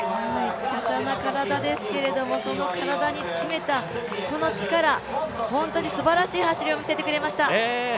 華奢な体ですけどその体に秘めたこの力、本当にすばらしい走りを見せてくれました。